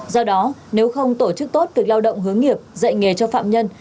do đó nếu không tổ chức tốt việc lao động hướng nghiệp dạy nghề cho phạm nhân